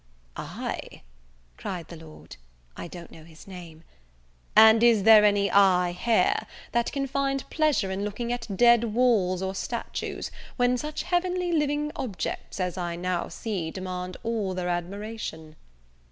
"Eye!" cried the Lord, (I don't know his name,) "and is there any eye here, that can find pleasure in looking at dead walls or statues, when such heavenly living objects as I now see demand all their admiration?"